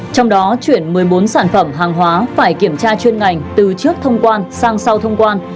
trong đó chuyển một mươi bốn sản phẩm hàng hóa phải kiểm tra chuyên ngành từ trước thông quan sang sau thông quan